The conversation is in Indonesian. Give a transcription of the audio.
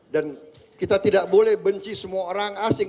dan kita tidak boleh benci semua orang asing